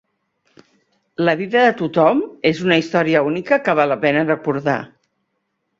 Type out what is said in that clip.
La vida de tothom és una història única que val la pena recordar.